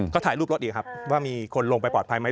ก็ถ่ายรูปรถอีกครับว่ามีคนลงไปปลอดภัยไหม